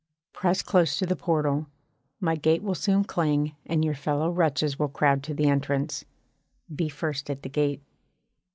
Press close to the portal, my gate will soon clang and your fellow wretches will crowd to the entrance be first at the gate.